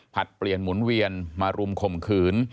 ผัดเปลี่ยนหมุนเวียนรมคมคืน